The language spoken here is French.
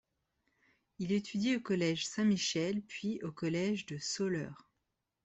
Il étudie au Collège Saint-Michel, puis au Collège de Soleure.